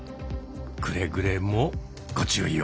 くれぐれもご注意を。